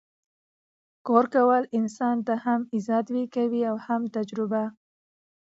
کار کول انسان ته هم عزت ورکوي او هم تجربه